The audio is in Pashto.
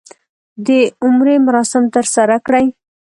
د عمرې مراسم ترسره کړي.